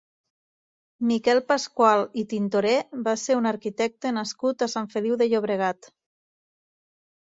Miquel Pascual i Tintorer va ser un arquitecte nascut a Sant Feliu de Llobregat.